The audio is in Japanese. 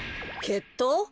けっとう？